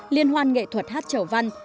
liên hoan nghệ thuật hát chầu văn